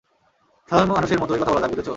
সাধারণ মানুষের মতোই কথা বলা যাক, বুঝেছো?